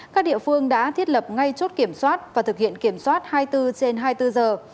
các địa phương đã thiết lập ngay chốt kiểm soát và thực hiện kiểm soát hai mươi bốn trên hai mươi bốn giờ